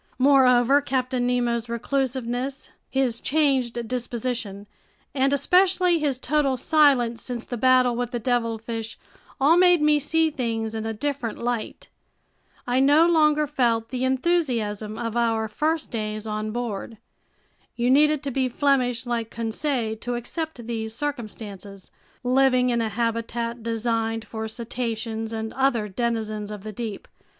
Moreover, Captain Nemo's reclusiveness, his changed disposition, and especially his total silence since the battle with the devilfish all made me see things in a different light. I no longer felt the enthusiasm of our first days on board. You needed to be Flemish like Conseil to accept these circumstances, living in a habitat designed for cetaceans and other denizens of the deep.